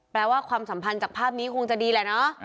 แปลว่าความสัมพันธ์จากภาพนี้คงจะดีแหละเนาะ